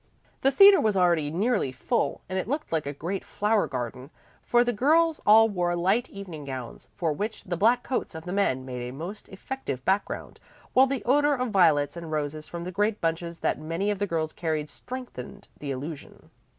The theatre was already nearly full, and it looked like a great flower garden, for the girls all wore light evening gowns, for which the black coats of the men made a most effective background; while the odor of violets and roses from the great bunches that many of the girls carried strengthened the illusion.